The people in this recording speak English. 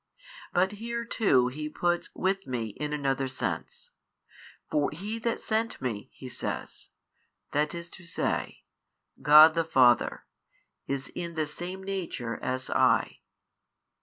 But here too He puts with Me in another sense: |615 for He That sent Me (He says) i. e., God the Father, is in the same Nature as I.